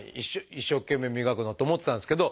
一生懸命磨くのって思ってたんですけど